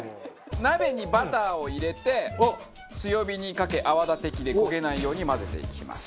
鍋にバターを入れて強火にかけ泡立て器で焦げないように混ぜていきます。